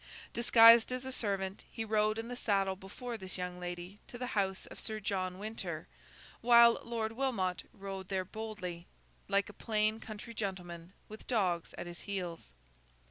Disguised as a servant, he rode in the saddle before this young lady to the house of Sir John Winter, while Lord Wilmot rode there boldly, like a plain country gentleman, with dogs at his heels.